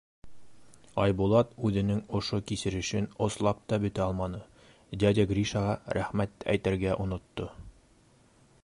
Айбулат үҙенең ошо кисерешен ослап та бөтә алманы, дядя Гришаға рәхмәт тә әйтергә онотто.